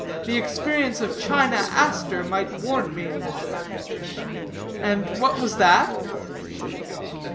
The experience of China Aster might warn me." "And what was that?"